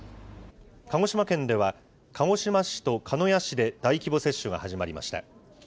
鹿児島県では、鹿児島市と鹿屋市で大規模接種が始まりました。